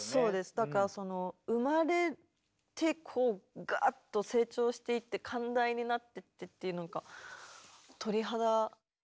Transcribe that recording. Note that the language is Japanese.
だからその生まれてこうガーッと成長していって寛大になっていってっていうなんか鳥肌。